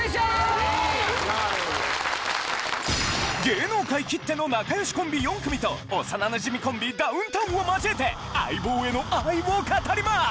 芸能界きっての仲良しコンビ４組と幼なじみコンビダウンタウンをまじえて相棒への愛を語ります！